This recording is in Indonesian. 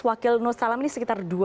wakil nur salam ini sekitar lima juta